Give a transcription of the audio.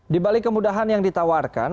di balik kemudahan yang ditawarkan